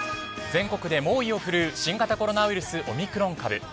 全国で猛威を振るう新型コロナウイルスオミクロン株。